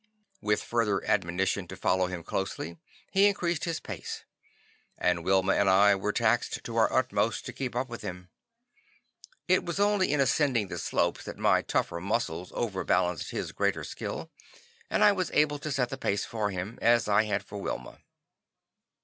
With further admonition to follow him closely, he increased his pace, and Wilma and I were taxed to our utmost to keep up with him. It was only in ascending the slopes that my tougher muscles overbalanced his greater skill, and I was able to set the pace for him, as I had for Wilma.